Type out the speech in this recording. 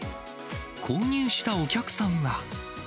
購入したお客さんは。